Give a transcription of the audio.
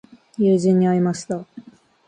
友人に会いました。